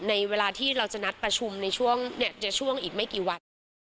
ในเวลาที่เราจะนัดประชุมในช่วงเนี่ยจะช่วงอีกไม่กี่วัน